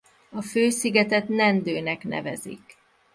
A fő szigetet Nendö-nek nevezik.